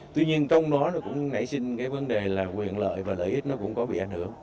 tuy nhiên trong đó nó cũng nảy sinh cái vấn đề là quyền lợi và lợi ích nó cũng có bị ảnh hưởng